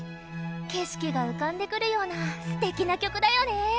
景色が浮かんでくるようなすてきな曲だよね。